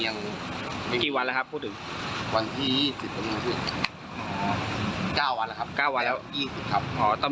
ยังไม่ติดต่อไม่มีใครติดต่อมาเลยครับ